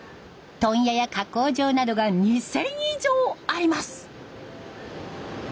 問屋や加工場などが２，０００以上あります。